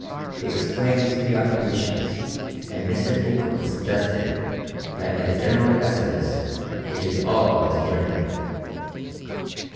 He explained these pre occupations and Mr. Incoul suggested that in the general exodus they should all go to Germany.